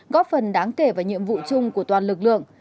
góp phần đáng kể vào nhiệm vụ chung của toàn lực lượng